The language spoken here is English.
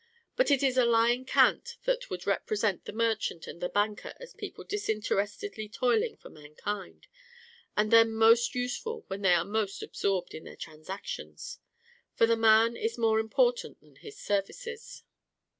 It is but a lying cant that would represent the merchant and the banker as people disinterestedly toiling for mankind, and then most useful when they are most absorbed in their transactions; for the man is more important than his services.